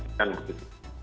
dan dan begitu